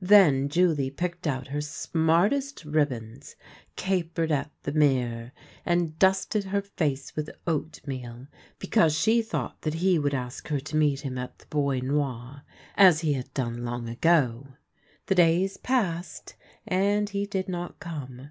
Then Julie picked out her smartest ribbons, capered at the mirror, and dusted her face with oatmeal, because she thought that he would ask her to meet him at the Bois Noir, as he had done long ago. The days passed, and he did not come.